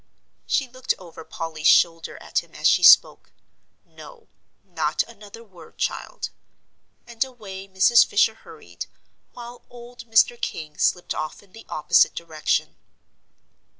She looked over Polly's shoulder at him as she spoke. "No, not another word, child." And away Mrs. Fisher hurried, while old Mr. King slipped off in the opposite direction.